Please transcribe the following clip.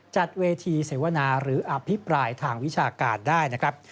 จัดเวทีเสวนาหรืออภิปรายทางวิชาการได้นะครับ